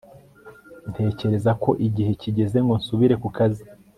ntekereza ko igihe kigeze ngo nsubire ku kazi